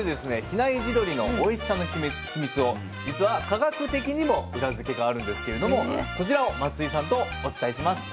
比内地鶏のおいしさのヒミツを実は科学的にも裏付けがあるんですけれどもそちらを松井さんとお伝えします。